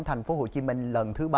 tp hcm lần thứ ba